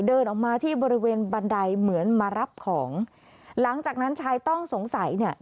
เดินออกมาที่บริเวณบันไดเหมือนมารับของหลังจากนั้นชายต้องสงสัยเนี่ย